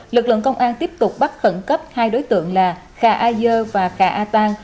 lực lượng công an tiếp tục bắt khẩn cấp hai đối tượng là khà a dơ và khà a tan